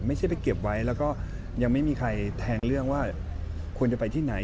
ไม่ใช่ไปเก็บไว้แล้วก็ยังไม่มีใครแทงเรื่องว่าควรจะไปที่ไหน